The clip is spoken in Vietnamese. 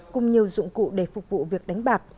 cùng nhiều dụng cụ để phục vụ việc đánh bạc